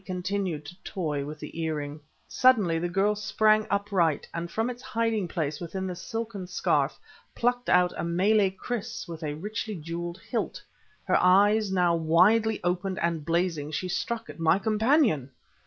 He continued to toy with the ear ring. Suddenly the girl sprang upright, and from its hiding place within the silken scarf, plucked out a Malay krîs with a richly jeweled hilt. Her eyes now widely opened and blazing, she struck at my companion!